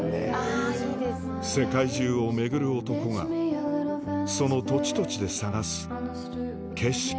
世界中を巡る男がその土地土地で探す景色